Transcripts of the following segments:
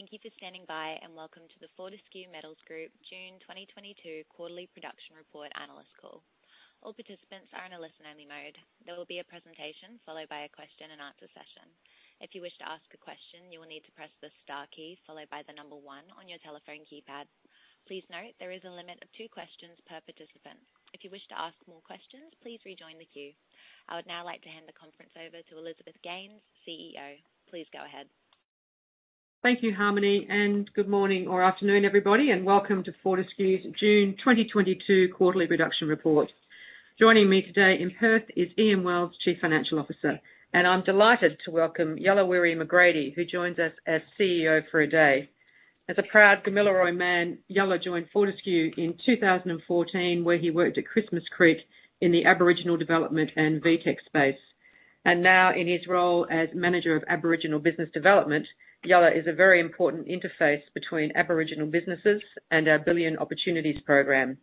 Thank you for standing by, and welcome to the Fortescue Metals Group June 2022 quarterly production report analyst call. All participants are in a listen-only mode. There will be a presentation followed by a question and answer session. If you wish to ask a question, you will need to press the star key followed by the number one on your telephone keypad. Please note there is a limit of two questions per participant. If you wish to ask more questions, please rejoin the queue. I would now like to hand the conference over to Elizabeth Gaines, CEO. Please go ahead. Thank you, Harmony, and good morning or afternoon, everybody, and welcome to Fortescue's June 2022 quarterly production report. Joining me today in Perth is Ian Wells, Chief Financial Officer. I'm delighted to welcome Yuluwirri McGrady, who joins us as CEO for a day. As a proud Gamilaraay man, Yulu joined Fortescue in 2014, where he worked at Christmas Creek in the Aboriginal development and VTEC space. Now in his role as manager of Aboriginal Business Development, Yulu is a very important interface between Aboriginal businesses and our Billion Opportunities program.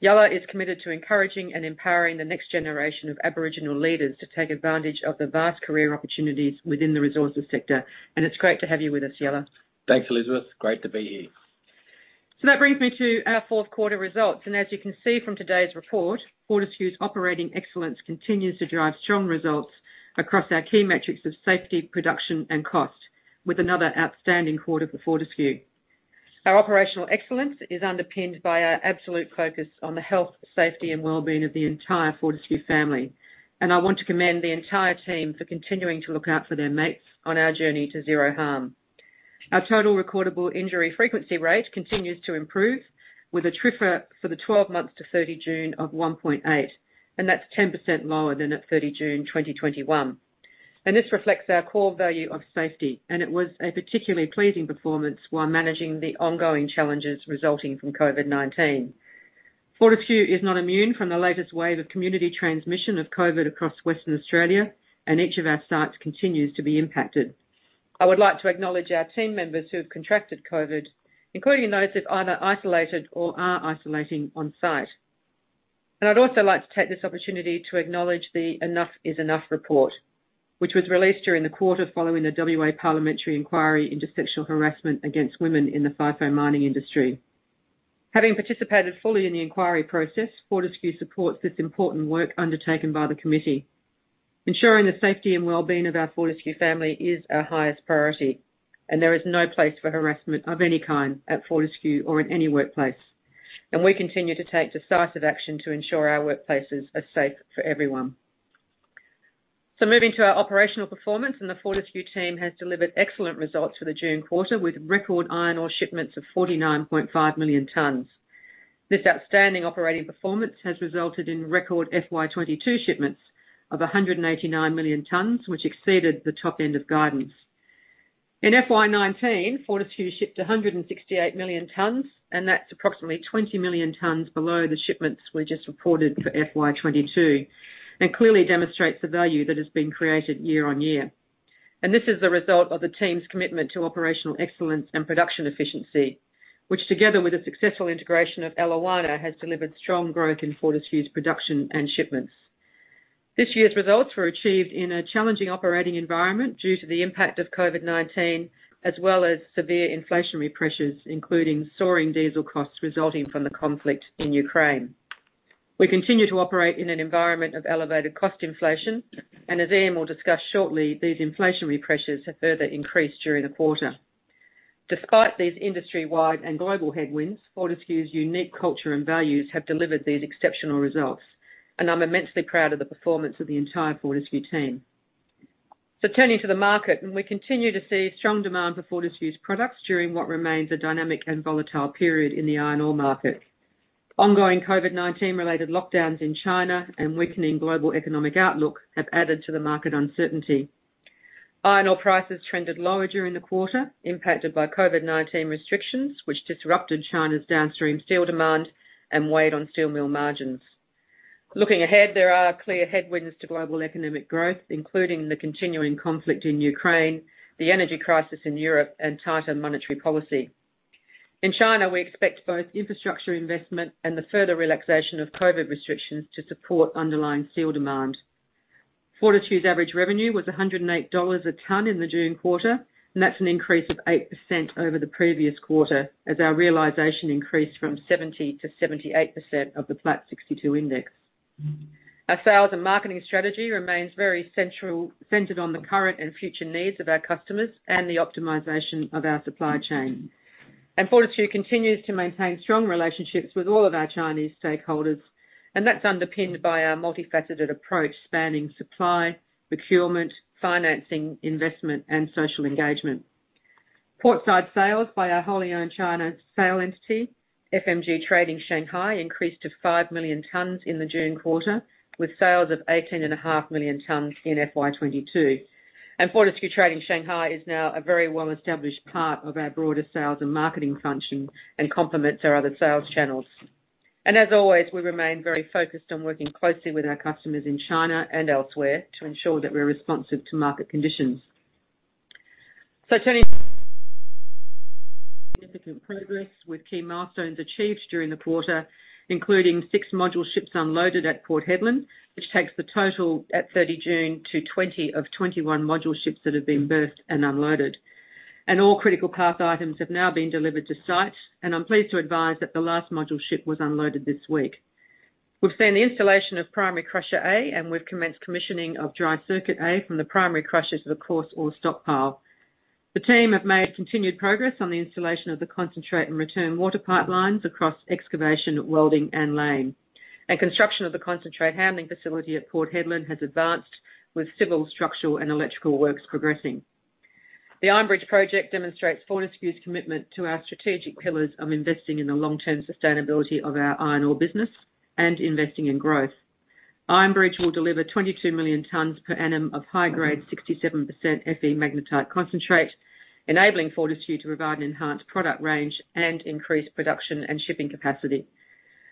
Yulu is committed to encouraging and empowering the next generation of Aboriginal leaders to take advantage of the vast career opportunities within the resources sector. It's great to have you with us, Yulu. Thanks, Elizabeth. Great to be here. That brings me to our fourth quarter results, and as you can see from today's report, Fortescue's operating excellence continues to drive strong results across our key metrics of safety, production, and cost with another outstanding quarter for Fortescue. Our operational excellence is underpinned by our absolute focus on the health, safety, and well-being of the entire Fortescue family. I want to commend the entire team for continuing to look out for their mates on our journey to zero harm. Our total recordable injury frequency rate continues to improve with a TRIR for the twelve months to 30 June of 1.8, and that's 10% lower than at 30 June 2021. This reflects our core value of safety, and it was a particularly pleasing performance while managing the ongoing challenges resulting from COVID-19. Fortescue is not immune from the latest wave of community transmission of COVID across Western Australia, and each of our sites continues to be impacted. I would like to acknowledge our team members who have contracted COVID, including those that either isolated or are isolating on-site. I'd also like to take this opportunity to acknowledge the Enough is Enough report, which was released during the quarter following the WA Parliamentary inquiry into sexual harassment against women in the FIFO mining industry. Having participated fully in the inquiry process, Fortescue supports this important work undertaken by the committee. Ensuring the safety and well-being of our Fortescue family is our highest priority, and there is no place for harassment of any kind at Fortescue or in any workplace. We continue to take decisive action to ensure our workplaces are safe for everyone. Moving to our operational performance, the Fortescue team has delivered excellent results for the June quarter, with record iron ore shipments of 49.5 million tons. This outstanding operating performance has resulted in record FY 2022 shipments of 189 million tons, which exceeded the top end of guidance. In FY 2019, Fortescue shipped 168 million tons, and that's approximately 20 million tons below the shipments we just reported for FY 2022, and clearly demonstrates the value that has been created year-on-year. This is a result of the team's commitment to operational excellence and production efficiency, which, together with the successful integration of Eliwana, has delivered strong growth in Fortescue's production and shipments. This year's results were achieved in a challenging operating environment due to the impact of COVID-19, as well as severe inflationary pressures, including soaring diesel costs resulting from the conflict in Ukraine. We continue to operate in an environment of elevated cost inflation, and as Ian will discuss shortly, these inflationary pressures have further increased during the quarter. Despite these industry-wide and global headwinds, Fortescue's unique culture and values have delivered these exceptional results, and I'm immensely proud of the performance of the entire Fortescue team. Turning to the market, and we continue to see strong demand for Fortescue's products during what remains a dynamic and volatile period in the iron ore market. Ongoing COVID-19 related lockdowns in China and weakening global economic outlook have added to the market uncertainty. Iron ore prices trended lower during the quarter, impacted by COVID-19 restrictions, which disrupted China's downstream steel demand and weighed on steel mill margins. Looking ahead, there are clear headwinds to global economic growth, including the continuing conflict in Ukraine, the energy crisis in Europe, and tighter monetary policy. In China, we expect both infrastructure investment and the further relaxation of COVID restrictions to support underlying steel demand. Fortescue's average revenue was $108 a ton in the June quarter, and that's an increase of 8% over the previous quarter as our realization increased from 70% to 78% of the Platts 62% index. Our sales and marketing strategy remains very centered on the current and future needs of our customers and the optimization of our supply chain. Fortescue continues to maintain strong relationships with all of our Chinese stakeholders, and that's underpinned by our multifaceted approach spanning supply, procurement, financing, investment, and social engagement. Portside sales by our wholly owned China sales entity, FMG Trading Shanghai, increased to 5 million tons in the June quarter with sales of 18.5 million tons in FY 2022. Fortescue Trading Shanghai is now a very well-established part of our broader sales and marketing function and complements our other sales channels. As always, we remain very focused on working closely with our customers in China and elsewhere to ensure that we're responsive to market conditions. Significant progress with key milestones achieved during the quarter, including six module ships unloaded at Port Hedland, which takes the total at 30 June to 20 of 21 module ships that have been berthed and unloaded. All critical path items have now been delivered to site, and I'm pleased to advise that the last module ship was unloaded this week. We've seen the installation of primary crusher A, and we've commenced commissioning of dry circuit A from the primary crushers to the coarse ore stockpile. The team have made continued progress on the installation of the concentrate and return water pipelines across excavation, welding, and laying. Construction of the concentrate handling facility at Port Hedland has advanced with civil, structural, and electrical works progressing. The Iron Bridge project demonstrates Fortescue's commitment to our strategic pillars of investing in the long-term sustainability of our iron ore business and investing in growth. Iron Bridge will deliver 22 million tons per annum of high-grade 67% FE magnetite concentrate, enabling Fortescue to provide an enhanced product range and increase production and shipping capacity.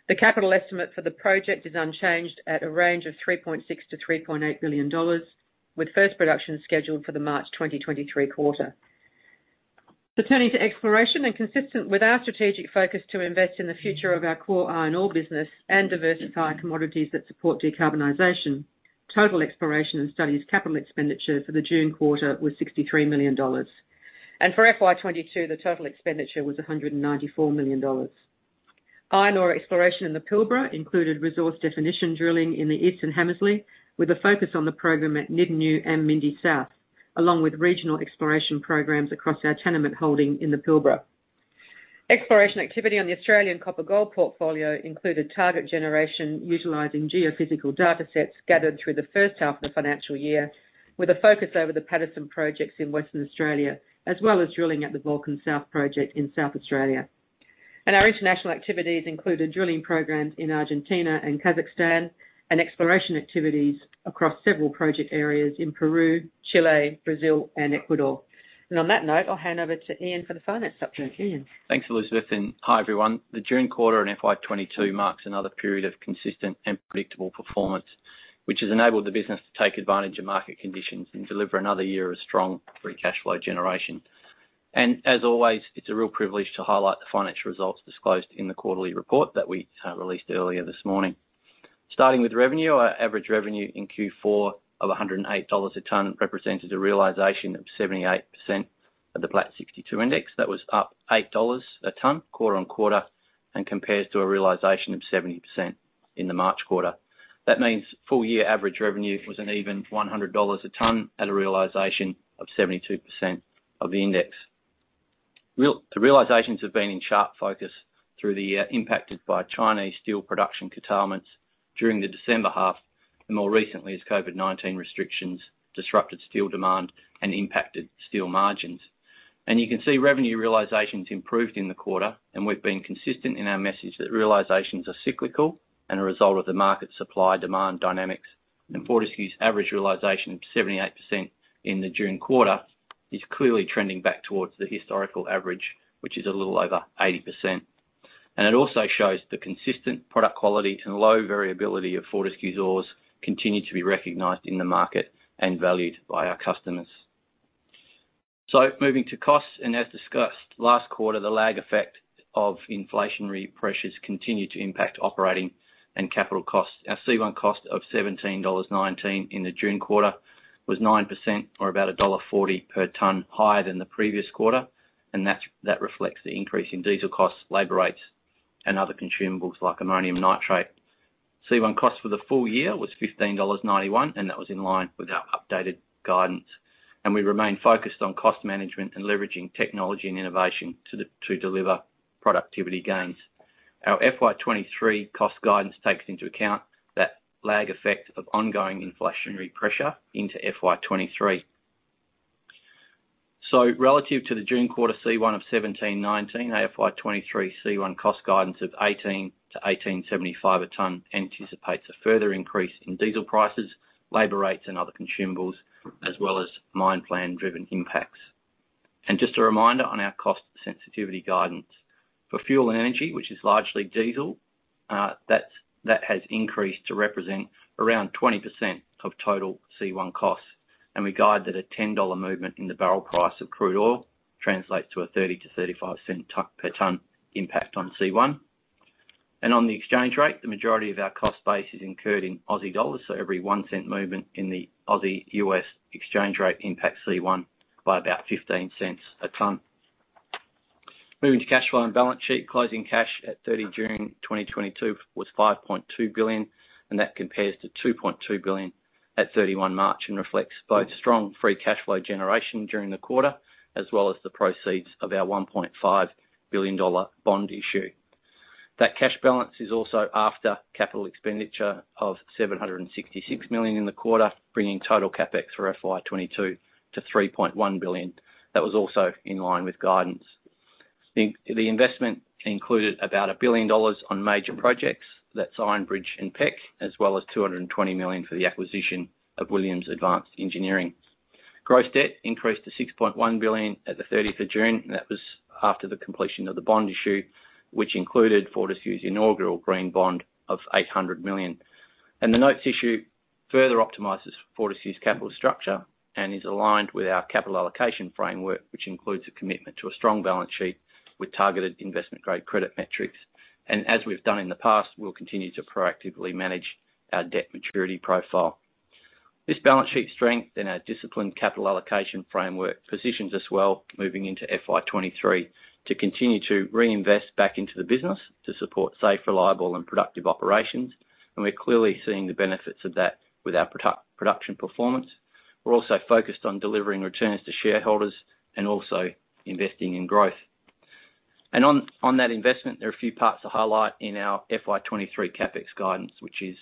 The capital estimate for the project is unchanged at a range of 3.6 billion-3.8 billion dollars, with first production scheduled for the March 2023 quarter. Turning to exploration, and consistent with our strategic focus to invest in the future of our core iron ore business and diversify commodities that support decarbonization, total exploration and studies capital expenditure for the June quarter was 63 million dollars. For FY 2022, the total expenditure was 194 million dollars. Iron ore exploration in the Pilbara included resource definition drilling in the Eastern Hamersley, with a focus on the program at Nimingarra and Mindy South, along with regional exploration programs across our tenement holding in the Pilbara. Exploration activity on the Australian copper-gold portfolio included target generation utilizing geophysical data sets gathered through the first half of the financial year, with a focus over the Paterson projects in Western Australia, as well as drilling at the Vulcan South project in South Australia. Our international activities included drilling programs in Argentina and Kazakhstan and exploration activities across several project areas in Peru, Chile, Brazil, and Ecuador. On that note, I'll hand over to Ian for the finance update. Ian? Thanks, Elizabeth, and hi, everyone. The June quarter in FY 2022 marks another period of consistent and predictable performance, which has enabled the business to take advantage of market conditions and deliver another year of strong free cash flow generation. As always, it's a real privilege to highlight the financial results disclosed in the quarterly report that we released earlier this morning. Starting with revenue, our average revenue in Q4 of $108 a ton represented a realization of 78% of the Platts 62% index. That was up $8 a ton quarter-on-quarter, and compares to a realization of 70% in the March quarter. That means full year average revenue was an even $100 a ton at a realization of 72% of the index. The realizations have been in sharp focus through the year, impacted by Chinese steel production curtailments during the December half, and more recently as COVID-19 restrictions disrupted steel demand and impacted steel margins. You can see revenue realizations improved in the quarter, and we've been consistent in our message that realizations are cyclical and a result of the market supply-demand dynamics. Fortescue's average realization of 78% in the June quarter is clearly trending back towards the historical average, which is a little over 80%. It also shows the consistent product quality and low variability of Fortescue's ores continue to be recognized in the market and valued by our customers. Moving to costs, and as discussed last quarter, the lag effect of inflationary pressures continue to impact operating and capital costs. Our C1 cost of 17.19 dollars in the June quarter was 9% or about dollar 1.40 per ton higher than the previous quarter, and that reflects the increase in diesel costs, labor rates, and other consumables like ammonium nitrate. C1 cost for the full year was 15.91 dollars, and that was in line with our updated guidance. We remain focused on cost management and leveraging technology and innovation to deliver productivity gains. Our FY 2023 cost guidance takes into account that lag effect of ongoing inflationary pressure into FY 2023. Relative to the June quarter C1 of 17.19, our FY 2023 C1 cost guidance of 18-18.75 a ton anticipates a further increase in diesel prices, labor rates, and other consumables, as well as mine plan-driven impacts. Just a reminder on our cost sensitivity guidance. For fuel and energy, which is largely diesel, that has increased to represent around 20% of total C1 costs, and we guide that a $10 movement in the barrel price of crude oil translates to a 30-35 cent per ton impact on C1. On the exchange rate, the majority of our cost base is incurred in Aussie dollars, so every 1 cent movement in the Aussie/U.S. exchange rate impacts C1 by about 15 cents a ton. Moving to cash flow and balance sheet, closing cash at 30 June 2022 was 5.2 billion, and that compares to 2.2 billion at 31 March and reflects both strong free cash flow generation during the quarter, as well as the proceeds of our 1.5 billion dollar bond issue. That cash balance is also after capital expenditure of 766 million in the quarter, bringing total CapEx for FY 2022 to 3.1 billion. That was also in line with guidance. The investment included about 1 billion dollars on major projects, that's Iron Bridge and PEC, as well as 220 million for the acquisition of Williams Advanced Engineering. Gross debt increased to 6.1 billion at the 30th June. That was after the completion of the bond issue, which included Fortescue's inaugural green bond of 800 million. The notes issue further optimizes Fortescue's capital structure and is aligned with our capital allocation framework, which includes a commitment to a strong balance sheet with targeted investment-grade credit metrics. As we've done in the past, we'll continue to proactively manage our debt maturity profile. This balance sheet strength and our disciplined capital allocation framework positions us well moving into FY 2023 to continue to reinvest back into the business to support safe, reliable, and productive operations. We're clearly seeing the benefits of that with our production performance. We're also focused on delivering returns to shareholders and also investing in growth. On that investment, there are a few parts to highlight in our FY 2023 CapEx guidance, which is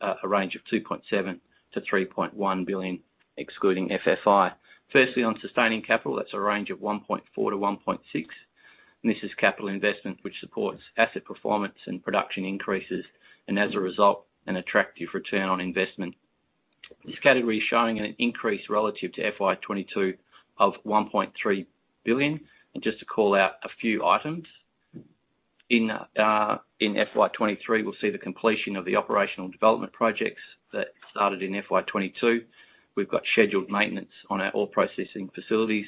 a range of 2.7 billion-3.1 billion excluding FFI. Firstly, on sustaining capital, that's a range of 1.4 billion-1.6 billion, and this is capital investment which supports asset performance and production increases and as a result, an attractive return on investment. This category is showing an increase relative to FY 2022 of 1.3 billion. Just to call out a few items. In FY 2023, we'll see the completion of the operational development projects that started in FY 2022. We've got scheduled maintenance on our ore processing facilities.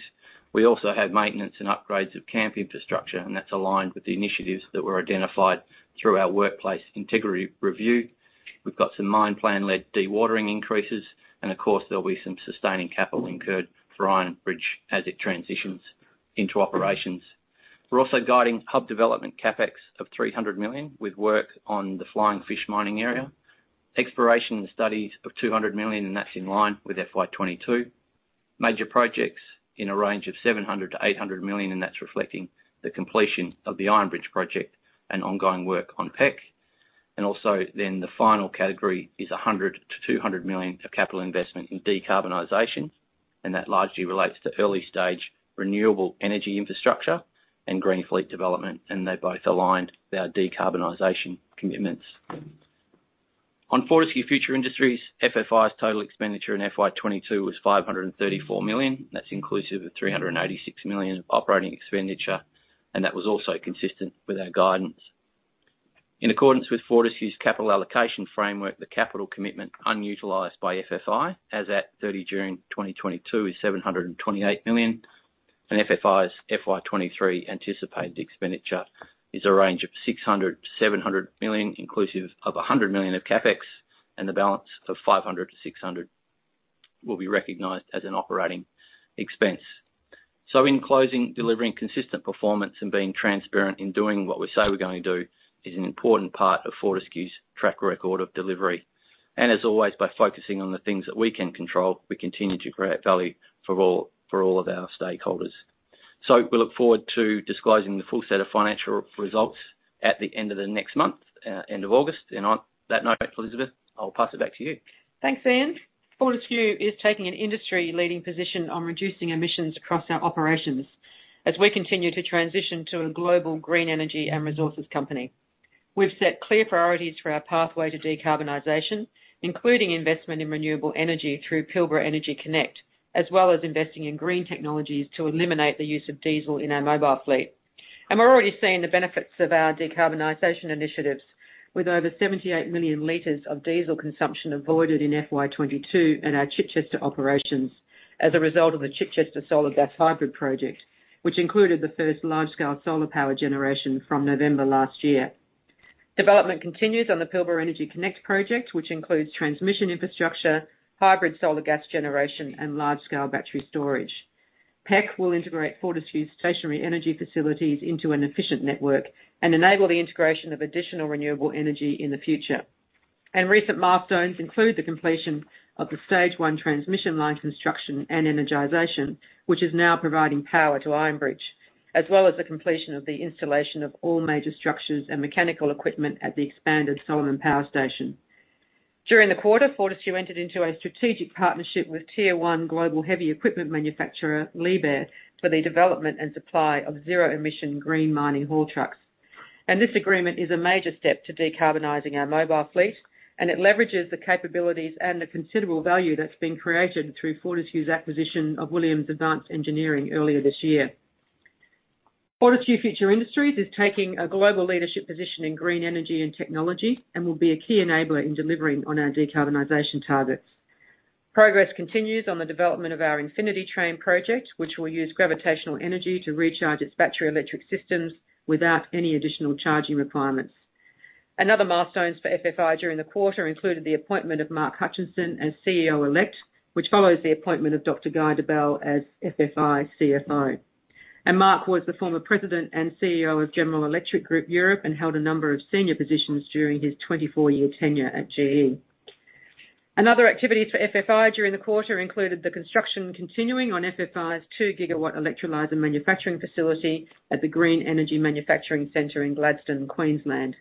We also have maintenance and upgrades of camp infrastructure, and that's aligned with the initiatives that were identified through our workplace integrity review. We've got some mine plan-led dewatering increases, and of course, there'll be some sustaining capital incurred for Iron Bridge as it transitions into operations. We're also guiding hub development CapEx of 300 million with work on the Flying Fish mining area. Exploration and studies of 200 million, and that's in line with FY 2022. Major projects in a range of 700 million-800 million, and that's reflecting the completion of the Iron Bridge project and ongoing work on PEC. The final category is 100-200 million of capital investment in decarbonization, and that largely relates to early-stage renewable energy infrastructure and green fleet development, and they're both aligned with our decarbonization commitments. On Fortescue Future Industries, FFI's total expenditure in FY 2022 was 534 million. That's inclusive of 386 million of operating expenditure, and that was also consistent with our guidance. In accordance with Fortescue's capital allocation framework, the capital commitment unutilized by FFI as at 30 June 2022 is 728 million, and FFI's FY 2023 anticipated expenditure is a range of 600-700 million, inclusive of 100 million of CapEx, and the balance of 500-600 million will be recognized as an operating expense. In closing, delivering consistent performance and being transparent in doing what we say we're going to do is an important part of Fortescue's track record of delivery. As always, by focusing on the things that we can control, we continue to create value for all of our stakeholders. We look forward to disclosing the full set of financial results at the end of the next month, end of August. On that note, Elizabeth, I'll pass it back to you. Thanks, Ian. Fortescue is taking an industry-leading position on reducing emissions across our operations as we continue to transition to a global green energy and resources company. We've set clear priorities for our pathway to decarbonization, including investment in renewable energy through Pilbara Energy Connect, as well as investing in green technologies to eliminate the use of diesel in our mobile fleet. We're already seeing the benefits of our decarbonization initiatives with over 78 million liters of diesel consumption avoided in FY 2022 in our Chichester operations as a result of the Chichester Solar Gas Hybrid project, which included the first large-scale solar power generation from November last year. Development continues on the Pilbara Energy Connect project, which includes transmission infrastructure, hybrid solar gas generation, and large-scale battery storage. PEC will integrate Fortescue's stationary energy facilities into an efficient network and enable the integration of additional renewable energy in the future. Recent milestones include the completion of the stage one transmission line construction and energization, which is now providing power to Iron Bridge, as well as the completion of the installation of all major structures and mechanical equipment at the expanded Solomon Power Station. During the quarter, Fortescue entered into a strategic partnership with tier one global heavy equipment manufacturer Liebherr for the development and supply of zero-emission green mining haul trucks. This agreement is a major step to decarbonizing our mobile fleet, and it leverages the capabilities and the considerable value that's been created through Fortescue's acquisition of Williams Advanced Engineering earlier this year. Fortescue Future Industries is taking a global leadership position in green energy and technology and will be a key enabler in delivering on our decarbonization targets. Progress continues on the development of our Infinity Train project, which will use gravitational energy to recharge its battery electric systems without any additional charging requirements. Other milestones for FFI during the quarter included the appointment of Mark Hutchinson as CEO-elect, which follows the appointment of Dr. Guy Debelle as FFI CFO. Mark was the former president and CEO of General Electric Europe and held a number of senior positions during his 24-year tenure at GE. Other activities for FFI during the quarter included the construction continuing on FFI's 2 GW electrolyzer manufacturing facility at the Green Energy Manufacturing Center in Gladstone, Queensland.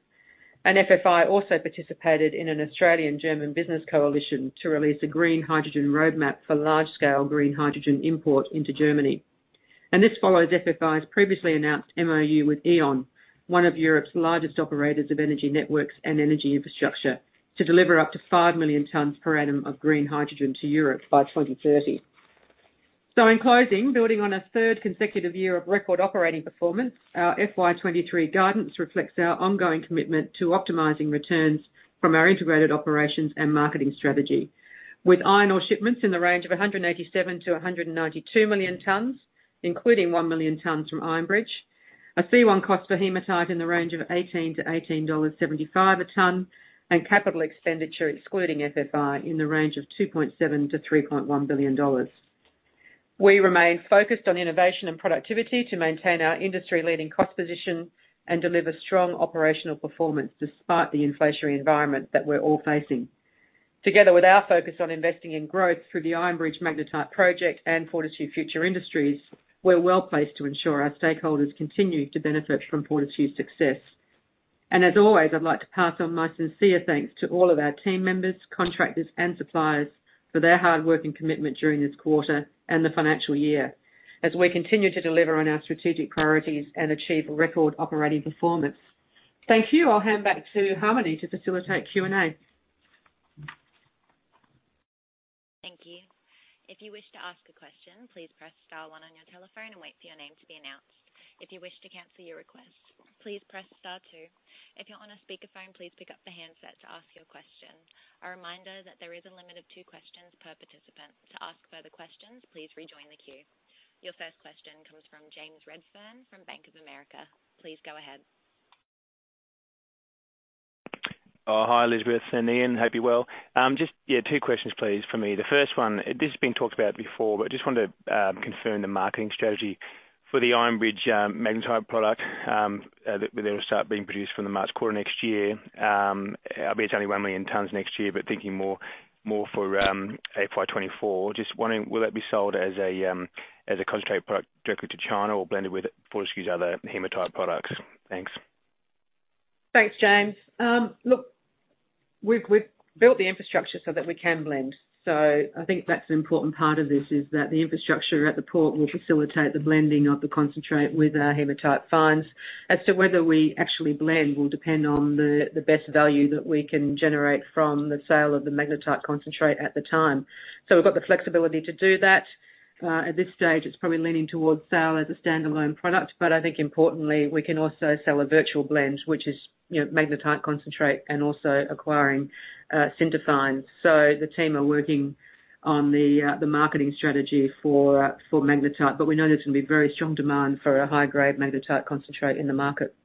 FFI also participated in an Australian-German business coalition to release a green hydrogen roadmap for large-scale green hydrogen import into Germany. This follows FFI's previously announced MoU with E.ON, one of Europe's largest operators of energy networks and energy infrastructure, to deliver up to 5 million tons per annum of green hydrogen to Europe by 2030. In closing, building on a 3rd consecutive year of record operating performance, our FY 2023 guidance reflects our ongoing commitment to optimizing returns from our integrated operations and marketing strategy. With iron ore shipments in the range of 187 million-192 million tons, including 1 million tons from Ironbridge, a C1 cost per hematite in the range of 18-18.75 dollars a ton, and capital expenditure excluding FFI in the range of 2.7 billion-3.1 billion dollars. We remain focused on innovation and productivity to maintain our industry-leading cost position and deliver strong operational performance despite the inflationary environment that we're all facing. Together with our focus on investing in growth through the Ironbridge Magnetite project and Fortescue Future Industries, we're well-placed to ensure our stakeholders continue to benefit from Fortescue's success. As always, I'd like to pass on my sincere thanks to all of our team members, contractors, and suppliers for their hard work and commitment during this quarter and the financial year as we continue to deliver on our strategic priorities and achieve a record operating performance. Thank you. I'll hand back to Harmony to facilitate Q&A. Thank you. If you wish to ask a question, please press star one on your telephone and wait for your name to be announced. If you wish to cancel your request, please press star two. If you're on a speakerphone, please pick up the handset to ask your question. A reminder that there is a limit of two questions per participant. To ask further questions, please rejoin the queue. Your first question comes from James Redfern from Bank of America. Please go ahead. Oh, hi, Elizabeth and Ian. Hope you're well. Just, yeah, two questions please for me. The first one, this has been talked about before, but just wanted to confirm the marketing strategy for the Ironbridge magnetite product that will start being produced from the March quarter next year. I bet it's only 1 million tons next year, but thinking more for FY 2024. Just wondering, will that be sold as a concentrate product directly to China or blended with Fortescue's other hematite products? Thanks. Thanks, James. Look, we've built the infrastructure so that we can blend. I think that's an important part of this, is that the infrastructure at the port will facilitate the blending of the concentrate with our hematite fines. As to whether we actually blend will depend on the best value that we can generate from the sale of the magnetite concentrate at the time. We've got the flexibility to do that. At this stage, it's probably leaning towards sale as a standalone product. I think importantly, we can also sell a virtual blend, which is, you know, magnetite concentrate and also acquiring sinter fines. The team are working on the marketing strategy for magnetite. We know there's gonna be very strong demand for a high-grade magnetite concentrate in the market.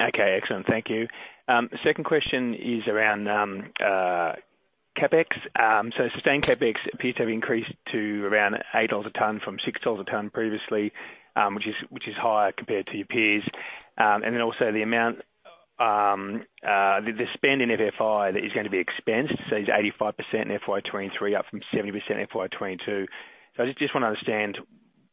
Okay, excellent. Thank you. The second question is around CapEx. Sustained CapEx appears to have increased to around 8 dollars a ton from 6 dollars a ton previously, which is higher compared to your peers. Then also the amount, the spend in FFI that is gonna be expensed, so it's 85% in FY 2023, up from 70% in FY 2022. I just wanna understand,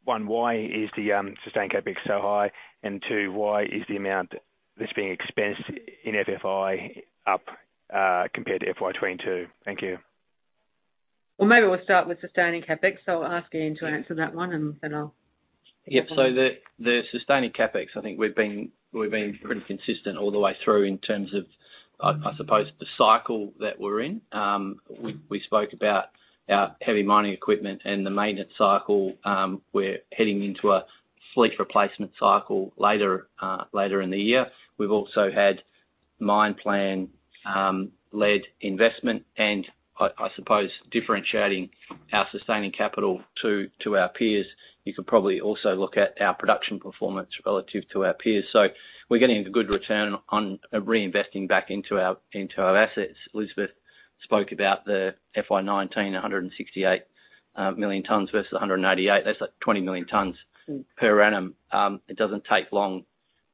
one, why is the sustained CapEx so high? And two, why is the amount that's being expensed in FFI up compared to FY 2022? Thank you. Well, maybe we'll start with sustaining CapEx. I'll ask Ian to answer that one, and then I'll- The sustaining CapEx, I think we've been pretty consistent all the way through in terms of I suppose the cycle that we're in. We spoke about our heavy mining equipment and the maintenance cycle. We're heading into a fleet replacement cycle later in the year. We've also had mine plan led investment and I suppose differentiating our sustaining capital to our peers. You could probably also look at our production performance relative to our peers. We're getting a good return on reinvesting back into our assets. Elizabeth spoke about the FY 2019, 168 million tons versus 188. That's like 20 million tons per annum. It doesn't take long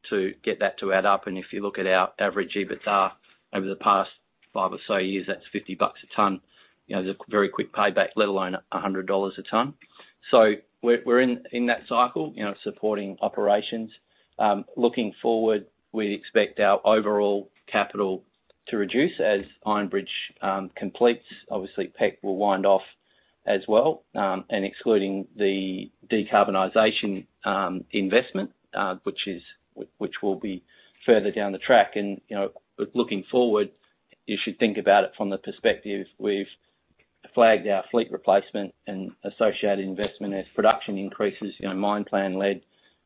to get that to add up. If you look at our average EBITDA over the past five or so years, that's $50 a ton. You know, there's a very quick payback, let alone $100 a ton. We're in that cycle, you know, supporting operations. Looking forward, we expect our overall capital to reduce as Ironbridge completes. Obviously, PEC will wind off as well, and excluding the decarbonization investment, which will be further down the track. You know, looking forward, you should think about it from the perspective, we've flagged our fleet replacement and associated investment as production increases, you know, mine plan led.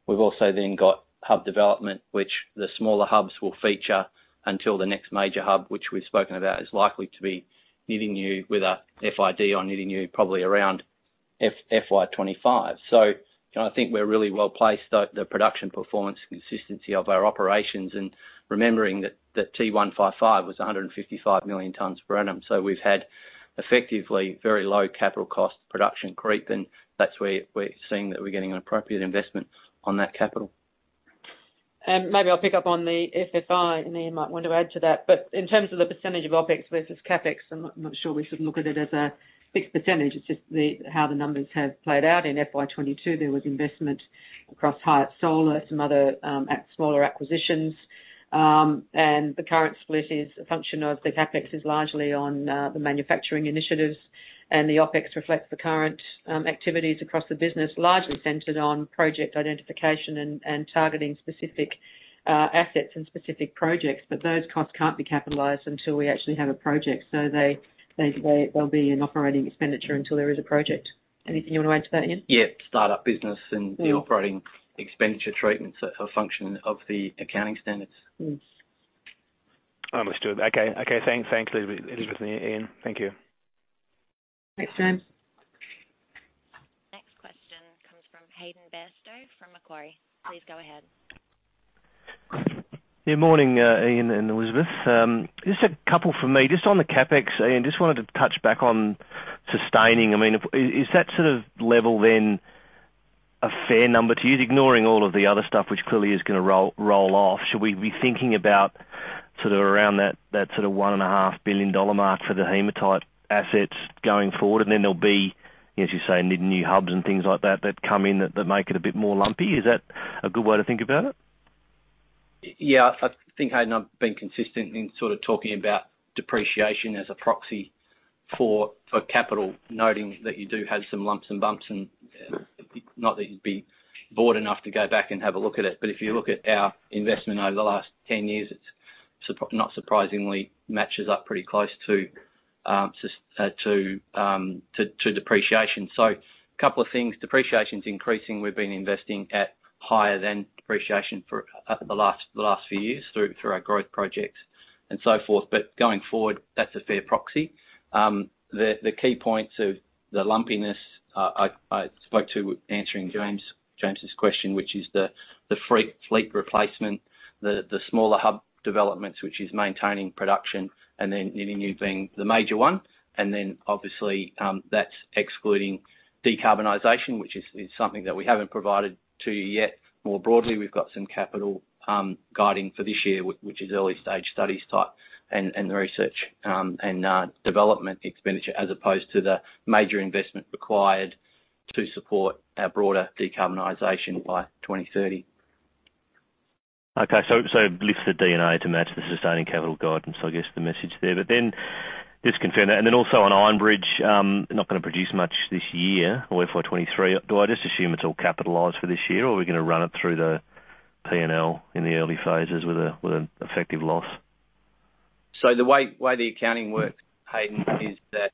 We've also then got hub development, which the smaller hubs will feature until the next major hub, which we've spoken about, is likely to be Nyidinghu with a FID on Nyidinghu probably around FY 2025. you know, I think we're really well-placed. The production performance and consistency of our operations and remembering that T155 was 155 million tons per annum. We've had effectively very low capital cost production creep, and that's where we're seeing that we're getting an appropriate investment on that capital. Maybe I'll pick up on the FFI, and Ian might want to add to that. In terms of the percentage of OpEx versus CapEx, I'm not sure we should look at it as a fixed percentage. It's just the, how the numbers have played out. In FY 2022, there was investment across HyET Solar, some other smaller acquisitions. The current split is a function of the CapEx is largely on the manufacturing initiatives, and the OpEx reflects the current activities across the business, largely centered on project identification and targeting specific assets and specific projects. Those costs can't be capitalized until we actually have a project. They'll be an operating expenditure until there is a project. Anything you wanna add to that, Ian? Yeah, start-up business and the operating expenditure treatments are a function of the accounting standards. Mm. Understood. Okay. Thanks, Elizabeth and Ian. Thank you. Thanks, James Redfern. Next question comes from Hayden Bairstow from Macquarie. Please go ahead. Yeah, morning, Ian and Elizabeth. Just a couple from me. Just on the CapEx, Ian. Just wanted to touch back on sustaining. I mean, is that sort of level then a fair number to use, ignoring all of the other stuff which clearly is gonna roll off? Should we be thinking about sort of around that sort of 1.5 billion dollar mark for the hematite assets going forward? Then there'll be, as you say, need new hubs and things like that that make it a bit more lumpy. Is that a good way to think about it? Yeah. I think, Hayden, I've been consistent in sort of talking about depreciation as a proxy for capital, noting that you do have some lumps and bumps and not that you'd be bored enough to go back and have a look at it. If you look at our investment over the last 10 years, it's not surprisingly matches up pretty close to depreciation. A couple of things. Depreciation's increasing. We've been investing at higher than depreciation for the last few years through our growth projects and so forth. Going forward, that's a fair proxy. The key points of the lumpiness I spoke to answering James's question, which is the fleet replacement, the smaller hub developments, which is maintaining production and then the new being the major one. That's excluding decarbonization, which is something that we haven't provided to you yet. More broadly, we've got some capital guidance for this year, which is early stage studies type and the research and development expenditure as opposed to the major investment required to support our broader decarbonization by 2030. Lift the D&A to match the sustaining capital guidance, I guess, the message there. But then just confirm that. Then also on Iron Bridge, not gonna produce much this year or FY 2023. Do I just assume it's all capitalized for this year, or are we gonna run it through the P&L in the early phases with an effective loss? The way the accounting works, Hayden, is that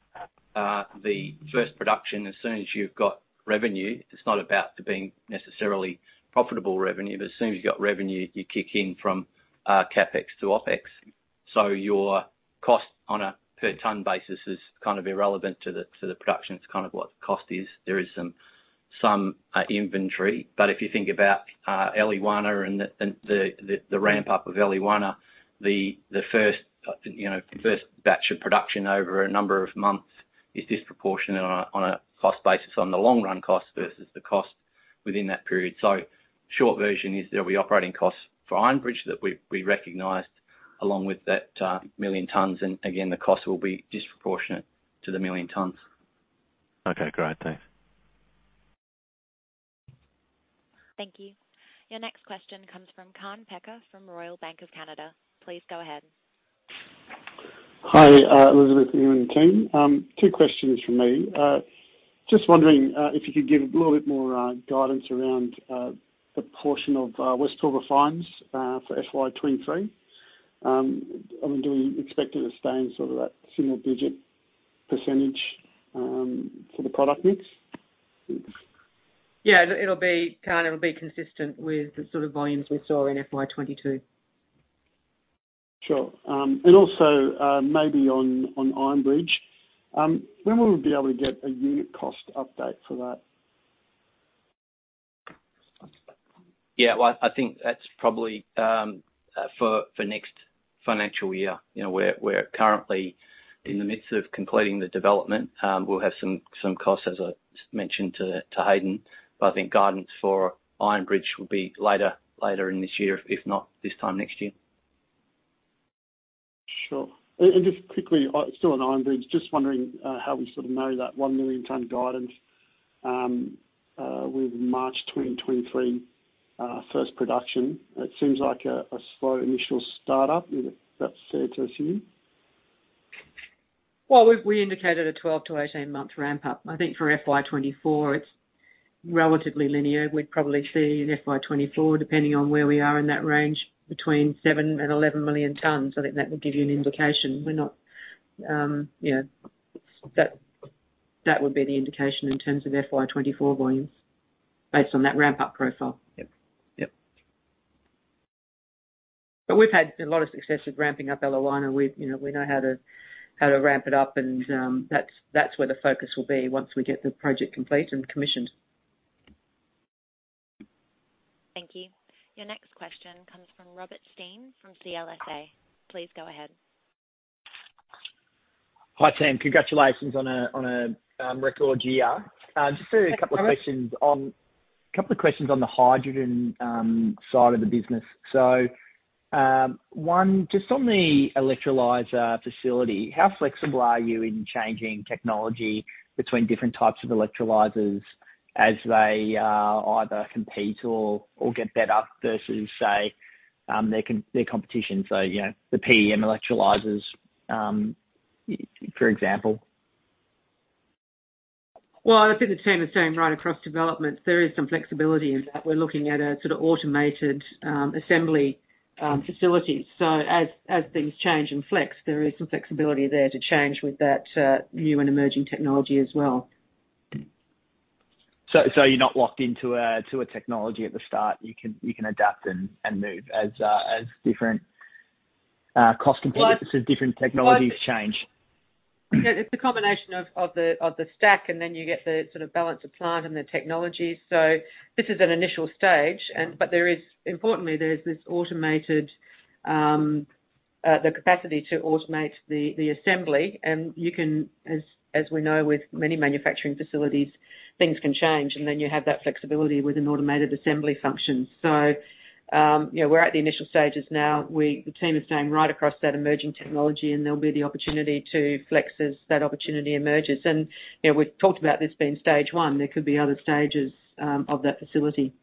the first production, as soon as you've got revenue, it's not about it being necessarily profitable revenue, but as soon as you've got revenue, you kick in from CapEx to OpEx. Your cost on a per ton basis is kind of irrelevant to the production. It's kind of what the cost is. There is some inventory, but if you think about Eliwana and the ramp up of Eliwana, you know, the first batch of production over a number of months is disproportionate on a cost basis on the long run cost versus the cost within that period. Short version is there'll be operating costs for Ironbridge that we recognized along with that 1 million tons. Again, the cost will be disproportionate to the 1 million tons. Okay, great. Thanks. Thank you. Your next question comes from Kaan Peker from Royal Bank of Canada. Please go ahead. Hi, Elizabeth, you and the team. Two questions from me. Just wondering if you could give a little bit more guidance around the portion of West Pilbara fines for FY 2023. I mean, do we expect it to stay in sort of that single-digit % for the product mix? Yeah, it'll be kind of consistent with the sort of volumes we saw in FY 2022. Sure. Also, maybe on Iron Bridge, when will we be able to get a unit cost update for that? Yeah. Well, I think that's probably for next financial year. You know, we're currently in the midst of completing the development. We'll have some costs, as I mentioned to Hayden, but I think guidance for Iron Bridge will be later in this year, if not this time next year. Sure. Just quickly, still on Iron Bridge, just wondering how we sort of know that 1 million ton guidance with March 2023 first production. It seems like a slow initial start up, if that's fair to assume. Well, we indicated a 12- to 18-month ramp up. I think for FY 2024, it's relatively linear. We'd probably see in FY 2024, depending on where we are in that range, between 7 and 11 million tons. I think that would give you an indication. That would be the indication in terms of FY 2024 volumes based on that ramp up profile. Yep. Yep. We've had a lot of success with ramping up Eliwana. You know, we know how to ramp it up and that's where the focus will be once we get the project complete and commissioned. Thank you. Your next question comes from Robert Stein from CLSA. Please go ahead. Hi, team. Congratulations on a record year. Just a couple of questions on- Hi, Robert. Couple of questions on the hydrogen side of the business. One, just on the electrolyzer facility, how flexible are you in changing technology between different types of electrolyzers as they either compete or get better versus, say, their competition? You know, the PEM electrolyzers, for example. Well, I think the team is doing right across developments. There is some flexibility in that. We're looking at a sort of automated, assembly Facilities. As things change in flex, there is some flexibility there to change with that, new and emerging technology as well. You're not locked into a technology at the start? You can adapt and move as different cost competitors- Well. Different technologies change. It's a combination of the stack, and then you get the sort of balance of plant and the technology. This is an initial stage, but there is importantly this automated capacity to automate the assembly. You can, as we know with many manufacturing facilities, things can change, and then you have that flexibility with an automated assembly function. Yeah, we're at the initial stages now. The team is staying right across that emerging technology, and there'll be the opportunity to flex as that opportunity emerges. You know, we've talked about this being stage one. There could be other stages of that facility.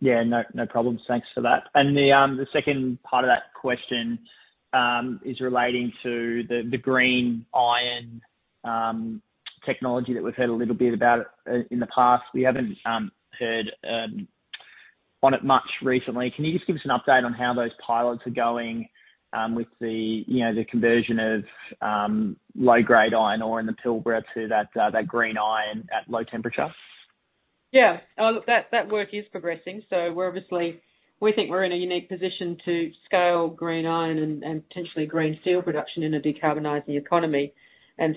Yeah. No, no problems. Thanks for that. The second part of that question is relating to the green iron technology that we've heard a little bit about in the past. We haven't heard on it much recently. Can you just give us an update on how those pilots are going, with you know, the conversion of low-grade iron ore in the Pilbara to that green iron at low temperature? Yeah. Oh, look, that work is progressing. We're obviously, we think we're in a unique position to scale green iron and potentially green steel production in a decarbonizing economy.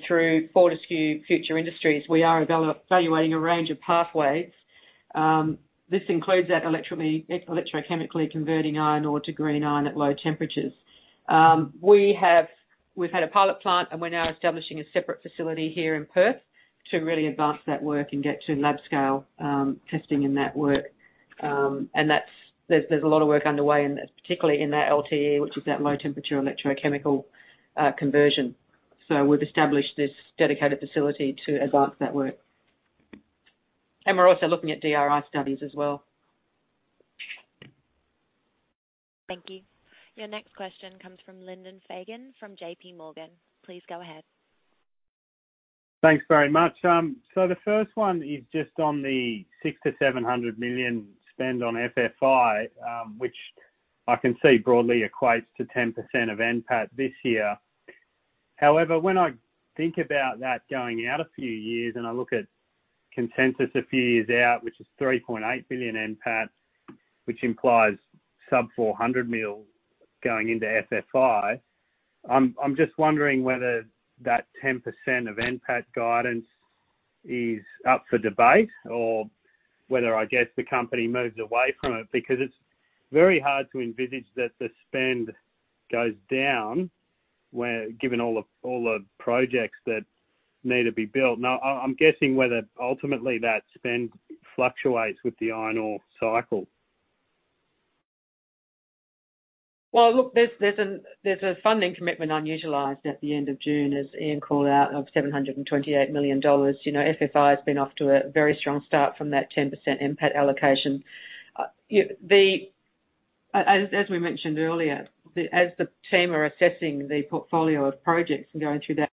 Through Fortescue Future Industries, we are evaluating a range of pathways. This includes electrochemically converting iron ore to green iron at low temperatures. We've had a pilot plant, and we're now establishing a separate facility here in Perth to really advance that work and get to lab-scale testing in that work. There's a lot of work underway in this, particularly in that LTE, which is that low temperature electrochemical conversion. We've established this dedicated facility to advance that work. We're also looking at DRI studies as well. Thank you. Your next question comes from Lyndon Fagan from JPMorgan. Please go ahead. Thanks very much. So the first one is just on the 600 million-700 million spend on FFI, which I can see broadly equates to 10% of NPAT this year. However, when I think about that going out a few years and I look at consensus a few years out, which is 3.8 billion NPAT, which implies sub 400 mil going into FFI, I'm just wondering whether that 10% of NPAT guidance is up for debate or whether, I guess, the company moves away from it, because it's very hard to envisage that the spend goes down given all the projects that need to be built. Now, I'm guessing whether ultimately that spend fluctuates with the iron ore cycle. Well, look, there's a funding commitment unutilized at the end of June, as Ian called out, of 728 million dollars. You know, FFI has been off to a very strong start from that 10% NPAT allocation. As we mentioned earlier, as the team are assessing the portfolio of projects and going through that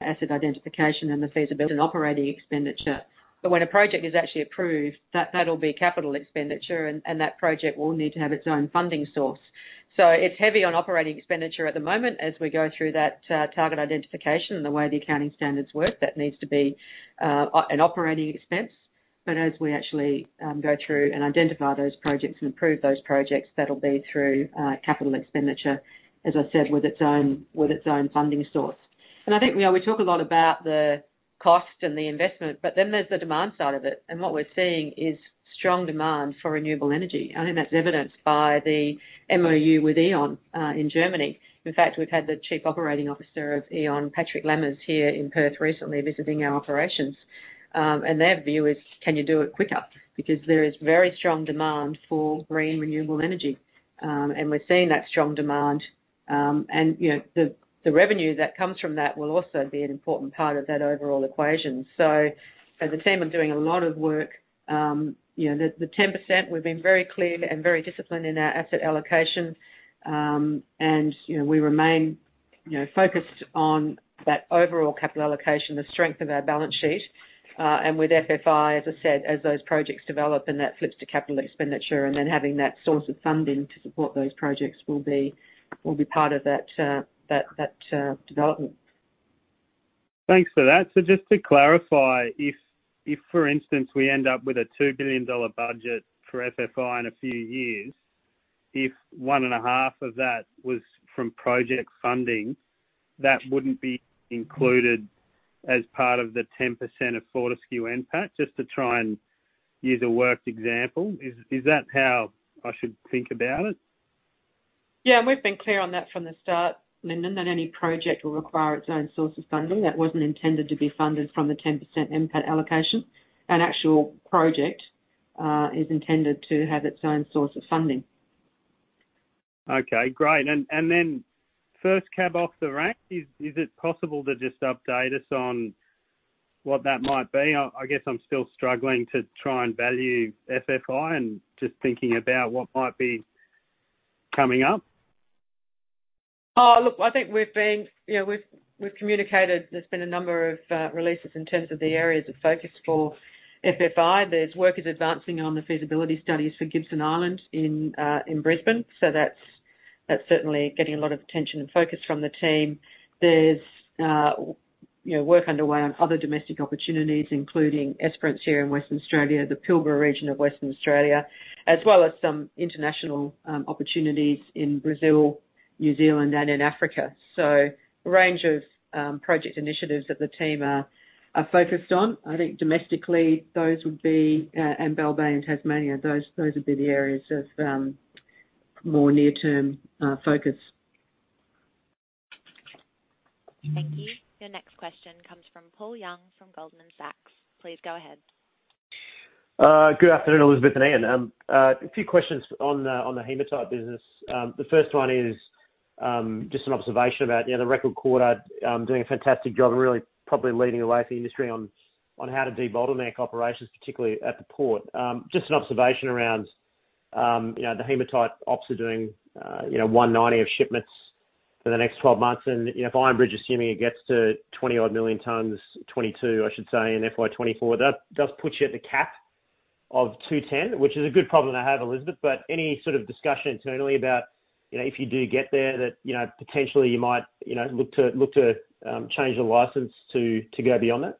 asset identification and the feasibility and operating expenditure. When a project is actually approved, that'll be capital expenditure and that project will need to have its own funding source. It's heavy on operating expenditure at the moment as we go through that target identification and the way the accounting standards work, that needs to be an operating expense. As we actually go through and identify those projects and approve those projects, that'll be through capital expenditure, as I said, with its own funding source. I think, you know, we talk a lot about the cost and the investment, but then there's the demand side of it. What we're seeing is strong demand for renewable energy. I think that's evidenced by the MoU with E.ON in Germany. In fact, we've had the Chief Operating Officer of E.ON, Patrick Lammers, here in Perth recently visiting our operations. Their view is, can you do it quicker? Because there is very strong demand for green renewable energy. We're seeing that strong demand. You know, the revenue that comes from that will also be an important part of that overall equation. As the team are doing a lot of work, the 10%, we've been very clear and very disciplined in our asset allocation. We remain focused on that overall capital allocation, the strength of our balance sheet. With FFI, as I said, as those projects develop and that flips to capital expenditure, and then having that source of funding to support those projects will be part of that development. Thanks for that. Just to clarify, if for instance, we end up with a 2 billion dollar budget for FFI in a few years, if 1.5 of that was from project funding, that wouldn't be included as part of the 10% of Fortescue NPAT, just to try and use a worked example. Is that how I should think about it? Yeah. We've been clear on that from the start, Lyndon, that any project will require its own source of funding. That wasn't intended to be funded from the 10% NPAT allocation. An actual project is intended to have its own source of funding. Okay, great. Then first cab off the rank, is it possible to just update us on what that might be? I guess I'm still struggling to try and value FFI and just thinking about what might be coming up. I think we've been. You know, we've communicated there's been a number of releases in terms of the areas of focus for FFI. There's work advancing on the feasibility studies for Gibson Island in Brisbane. That's certainly getting a lot of attention and focus from the team. There's work underway on other domestic opportunities, including Esperance here in Western Australia, the Pilbara region of Western Australia, as well as some international opportunities in Brazil, New Zealand and in Africa. A range of project initiatives that the team are focused on. I think domestically, those would be and Bell Bay in Tasmania, those would be the areas of more near-term focus. Thank you. Your next question comes from Paul Young, from Goldman Sachs. Please go ahead. Good afternoon, Elizabeth and Ian. A few questions on the hematite business. The first one is just an observation about, you know, the record quarter, doing a fantastic job and really probably leading the way for the industry on how to debottleneck operations, particularly at the port. Just an observation around, you know, the hematite ops are doing, you know, 190 of shipments for the next twelve months. If Iron Bridge, assuming it gets to 20-odd million tons, 22, I should say in FY 2024, that does put you at the cap of 210, which is a good problem to have, Elizabeth. Any sort of discussion internally about, you know, if you do get there that, you know, potentially you might, you know, look to change the license to go beyond that?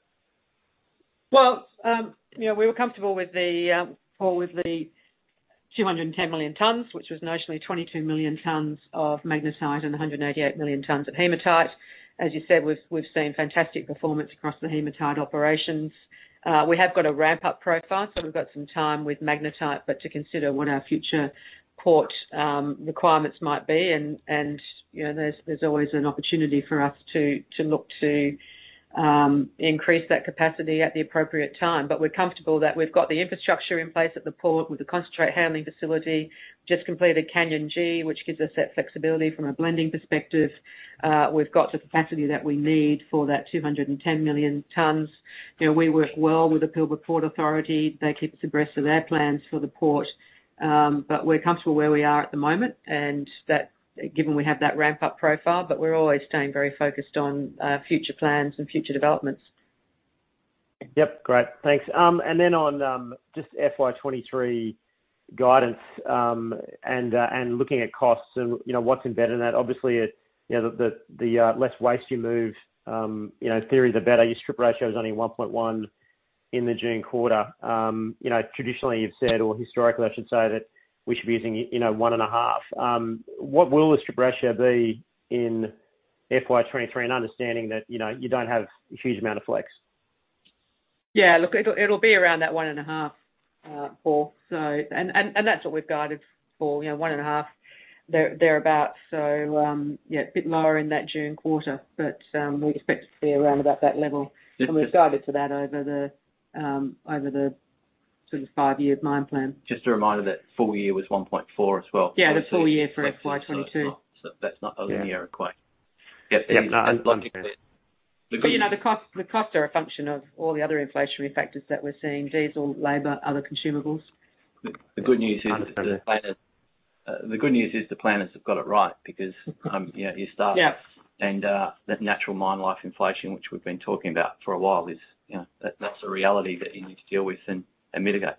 Well, you know, we were comfortable with the call it the 210 million tons, which was notionally 22 million tons of magnetite and 188 million tons of hematite. As you said, we've seen fantastic performance across the hematite operations. We have got a ramp-up profile, so we've got some time with magnetite, but to consider what our future port requirements might be. You know, there's always an opportunity for us to look to increase that capacity at the appropriate time. We're comfortable that we've got the infrastructure in place at the port with the concentrate handling facility. Just completed Canyon G, which gives us that flexibility from a blending perspective. We've got the capacity that we need for that 210 million tons. You know, we work well with the Pilbara Ports Authority. They keep us abreast of their plans for the port. We're comfortable where we are at the moment, and given we have that ramp-up profile, but we're always staying very focused on future plans and future developments. Yep. Great. Thanks. Just FY 2023 guidance, and looking at costs and, you know, what's embedded in that. Obviously, you know, the less waste you move, you know, theoretically the better. Your strip ratio is only 1.1 in the June quarter. You know, traditionally, you've said or historically, I should say that we should be using, you know, 1.5. What will the strip ratio be in FY 2023 and understanding that, you know, you don't have a huge amount of flex? Look, it'll be around that 1.5, Paul. That's what we've guided for, you know, 1.5 thereabout. Yeah, a bit lower in that June quarter. We expect to be around about that level. We've guided for that over the sort of five-year mine plan. Just a reminder that full year was 1.4 as well. Yeah, the full year for FY 2022. That's not a linear equation. Yeah. No, I understand. You know, the cost are a function of all the other inflationary factors that we're seeing, diesel, labor, other consumables. The good news is. Understand. The good news is the planners have got it right because, you know, Yeah. that natural mine life inflation, which we've been talking about for a while, is, you know, that's a reality that you need to deal with and mitigate.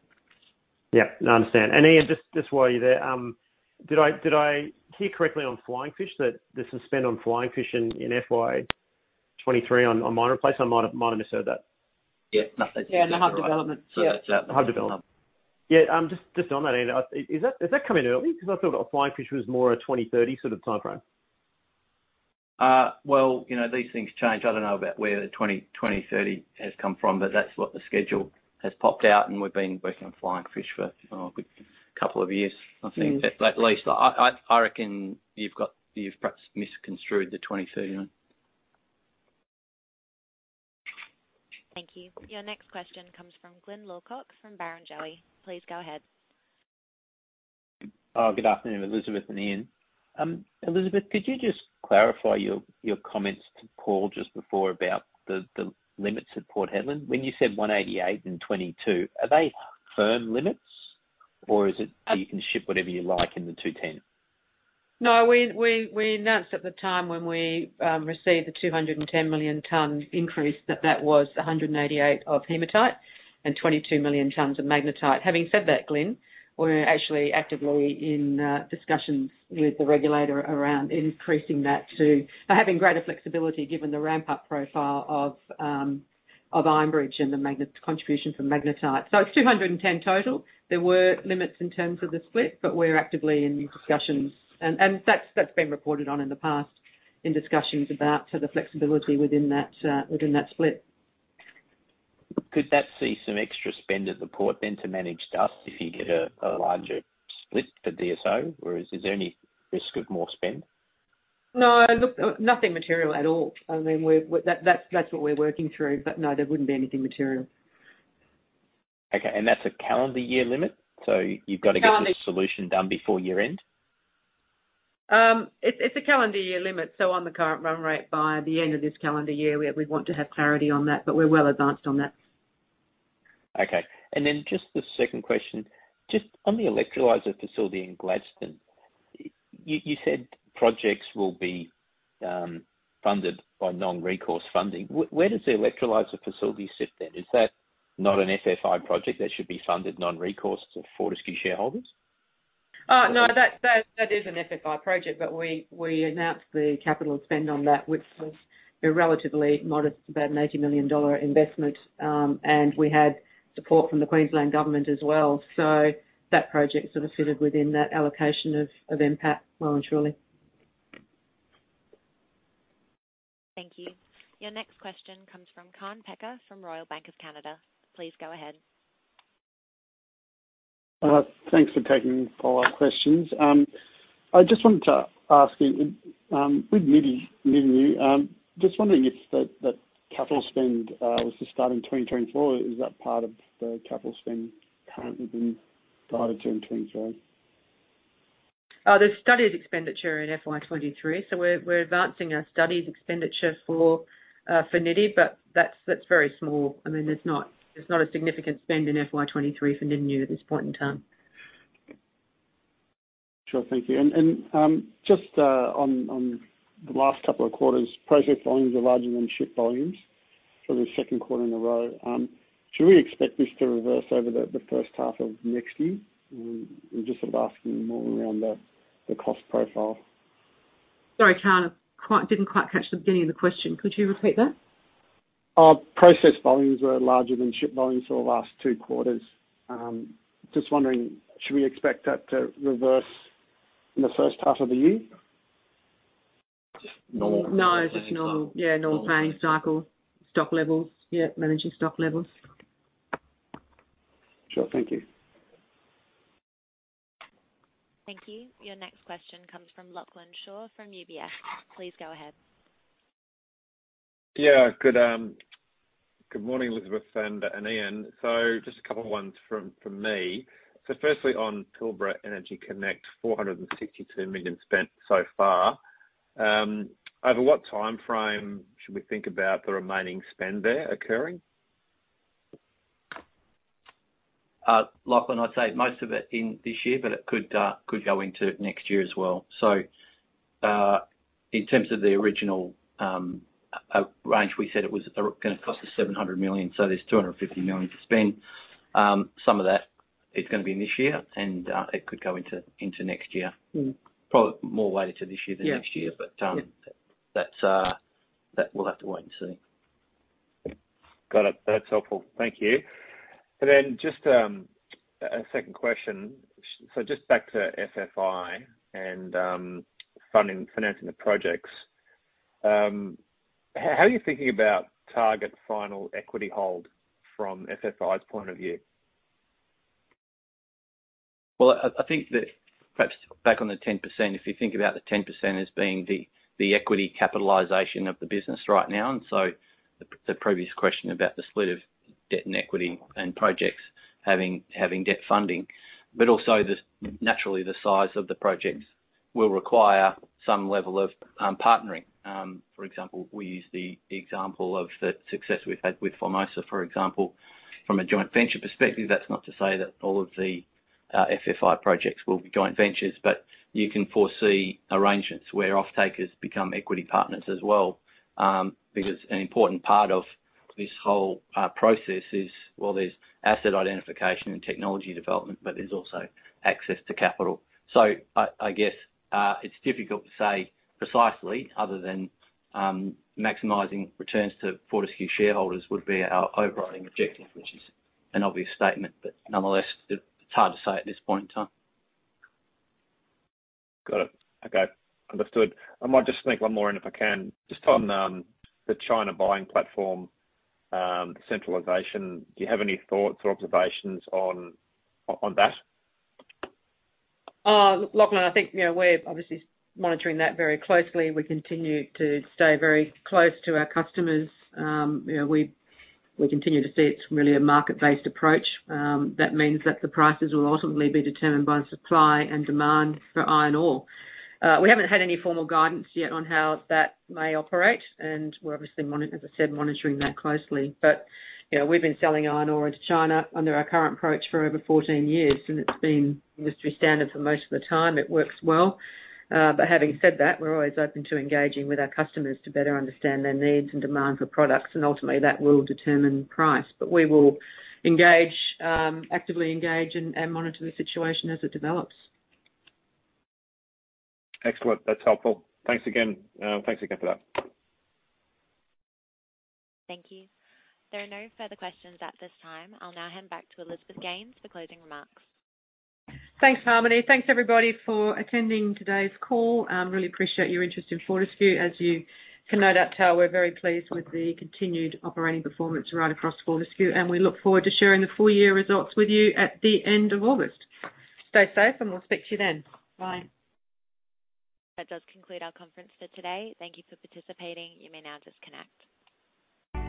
Yeah. No, I understand. Ian, just while you're there, did I hear correctly on Flying Fish that the spend on Flying Fish in FY 2023 on mine replace? I might have misheard that. Yeah. No. Yeah. In the hub development. Yeah. Hub development. Just on that, Ian. Is that coming early? Because I thought that Flying Fish was more a 2030 sort of timeframe. Well, you know, these things change. I don't know about where the 2020-2030 has come from, but that's what the schedule has popped out, and we've been working on Flying Fish for a good couple of years, I think, at least. I reckon you've perhaps misconstrued the 2030. Thank you. Your next question comes from Glyn Lawcock from Barrenjoey. Please go ahead. Good afternoon, Elizabeth and Ian. Elizabeth, could you just clarify your comments to Paul just before about the limits at Port Hedland. When you said 188 and 22, are they firm limits or is it you can ship whatever you like in the 210? No, we announced at the time when we received the 210 million ton increase that that was 188 of hematite and 22 million tons of magnetite. Having said that, Glyn, we're actually actively in discussions with the regulator around increasing that to having greater flexibility given the ramp-up profile of Iron Bridge and the magnetite contribution from magnetite. It's 210 total. There were limits in terms of the split, but we're actively in discussions. That's been reported on in the past in discussions about the flexibility within that split. Could that see some extra spend at the port then to manage dust if you get a larger split for DSO? Or is there any risk of more spend? No. Look, nothing material at all. I mean, that's what we're working through. No, there wouldn't be anything material. Okay. That's a calendar year limit? You've got to get the solution done before year-end? It's a calendar year limit. On the current run rate, by the end of this calendar year, we want to have clarity on that. We're well advanced on that. Okay. Just the second question, just on the electrolyzer facility in Gladstone. You said projects will be funded by non-recourse funding. Where does the electrolyzer facility sit then? Is that not an FFI project that should be funded non-recourse to Fortescue shareholders? No. That is an FFI project, but we announced the capital spend on that, which was a relatively modest, about an 80 million dollar investment. We had support from the Queensland Government as well. That project sort of fitted within that allocation of NPAT well and truly. Thank you. Your next question comes from Kaan Peker from Royal Bank of Canada. Please go ahead. Thanks for taking my questions. I just wanted to ask you, with Nyidinghu, just wondering if that capital spend was to start in 2024, or is that part of the capital spend currently being started in 2023? The study's expenditure in FY 2023. We're advancing our studies expenditure for Nyidinghu, but that's very small. I mean, it's not a significant spend in FY 2023 for Nyidinghu at this point in time. Sure. Thank you. Just on the last couple of quarters, project volumes are larger than shipped volumes for the second quarter in a row. I'm just sort of asking more around the cost profile. Sorry, Kaan. Didn't quite catch the beginning of the question. Could you repeat that? Processed volumes are larger than shipped volumes for the last two quarters. Just wondering, should we expect that to reverse in the first half of the year? No. Normal- No. Just normal, yeah, normal planning cycle. Stock levels. Yeah, managing stock levels. Sure. Thank you. Thank you. Your next question comes from Lachlan Shaw from UBS. Please go ahead. Good morning, Elizabeth and Ian. Just a couple ones from me. Firstly, on Pilbara Energy Connect, 462 million spent so far. Over what timeframe should we think about the remaining spend there occurring? Lachlan, I'd say most of it in this year, but it could go into next year as well. In terms of the original range, we said it was gonna cost us 700 million, so there's 250 million to spend. Some of that is gonna be in this year and it could go into next year. Mm-hmm. Probably more weighted to this year. Yeah. than next year. Yeah. We'll have to wait and see. Got it. That's helpful. Thank you. Just a second question. Just back to FFI and funding, financing the projects. How are you thinking about target final equity hold from FFI's point of view? Well, I think that perhaps back on the 10%, if you think about the 10% as being the equity capitalization of the business right now, and so the previous question about the split of debt and equity and projects having debt funding, but also naturally the size of the projects will require some level of partnering. For example, we use the example of the success we've had with Formosa, for example. From a joint venture perspective, that's not to say that all of the FFI projects will be joint ventures, but you can foresee arrangements where offtakers become equity partners as well, because an important part of this whole process is, well, there's asset identification and technology development, but there's also access to capital. I guess it's difficult to say precisely other than maximizing returns to Fortescue shareholders would be our overriding objective, which is an obvious statement, but nonetheless, it's hard to say at this point in time. Got it. Okay. Understood. I might just sneak one more in if I can. Just on, the China buying platform, centralization, do you have any thoughts or observations on that? Lachlan, I think, you know, we're obviously monitoring that very closely. We continue to stay very close to our customers. You know, we continue to see it's really a market-based approach. That means that the prices will ultimately be determined by supply and demand for iron ore. We haven't had any formal guidance yet on how that may operate, and we're obviously, as I said, monitoring that closely. You know, we've been selling iron ore to China under our current approach for over 14 years, and it's been industry standard for most of the time. It works well. Having said that, we're always open to engaging with our customers to better understand their needs and demands for products, and ultimately that will determine price. We will engage, actively engage and monitor the situation as it develops. Excellent. That's helpful. Thanks again. Thanks again for that. Thank you. There are no further questions at this time. I'll now hand back to Elizabeth Gaines for closing remarks. Thanks, Harmony. Thanks, everybody, for attending today's call. Really appreciate your interest in Fortescue. As you can no doubt tell, we're very pleased with the continued operating performance right across Fortescue, and we look forward to sharing the full year results with you at the end of August. Stay safe, and we'll speak to you then. Bye. That does conclude our conference for today. Thank you for participating. You may now disconnect.